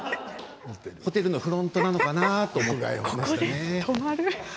ホテルのフロントなのかなって。